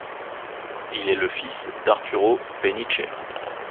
Il est le fils d'Arturo Peniche.